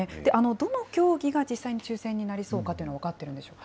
どの競技が、実際に抽せんになりそうかというのは、分かってるんでしょうか。